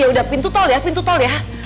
ya udah pintu tol ya pintu tol ya